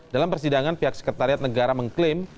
dalam persidangan pihak sekretariat negara mengklaim